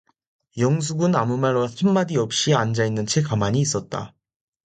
영숙은 아무 말 한 마디 없이 앉아 있는 채 가만히 있었다.